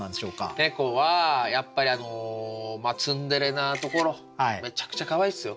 猫はやっぱりツンデレなところめちゃくちゃかわいいっすよ。